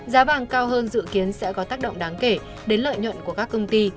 giá vàng cao hơn dự kiến sẽ có tác động đáng kể đến lợi nhuận của các công ty